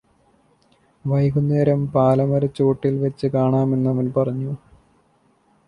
വൈകുന്നേരം പാലമരച്ചോട്ടില് വച്ച് കാണാമെന്ന് അവന് പറഞ്ഞു